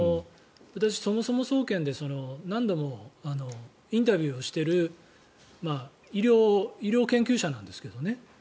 私、そもそも総研で何度もインタビューをしている医療研究者なんですけどね